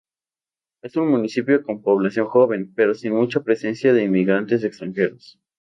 Es un municipio con población joven, pero sin mucha presencia de inmigrantes extranjeros.